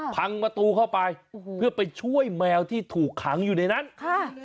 พังประตูเข้าไปโอ้โหเพื่อไปช่วยแมวที่ถูกขังอยู่ในนั้นค่ะ